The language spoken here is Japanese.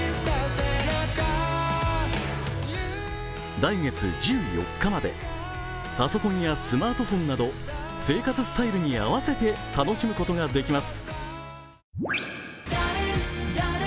来月１４日までパソコンやスマートフォンなど生活スタイルに合わせて楽しむことができます。